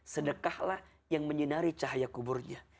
sedekahlah yang menyinari cahaya kuburnya